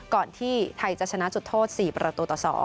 ก่อนที่ไทยจะชนะจุดโทษ๔ประตูต่อ๒